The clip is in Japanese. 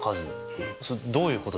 えっどういうこと？